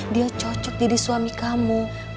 dia cocok jadi suami kamu